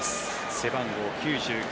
背番号９９